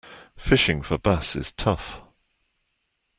Fishing for bass is tough.